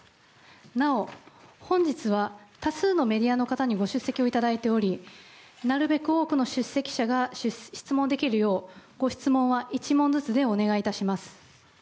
なお本日は多数のメディアの方にご出席をいただいておりなるべく多くの出席者が質問できるようご質問は１問ずつでお願いいたします。